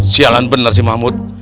sialan bener sih mahmud